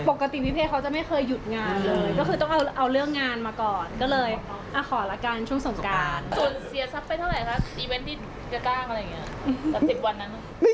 ปกติวิเภย์เขาจะไม่เคยหยุดงานเลย